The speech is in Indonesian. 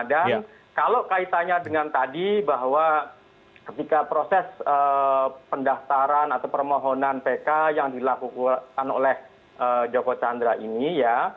dan kalau kaitannya dengan tadi bahwa ketika proses pendaftaran atau permohonan pk yang dilakukan oleh joko chandra ini ya